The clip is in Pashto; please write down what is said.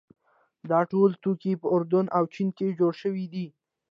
دا ټول توکي په اردن او چین کې جوړ شوي دي.